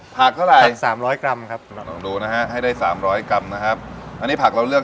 ผักเท่าไหร่